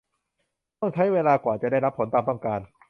ต้องใช้เวลากว่าจะได้รับผลตามต้องการ